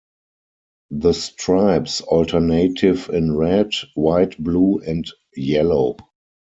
The stripes alternative in red, white, blue and yellow.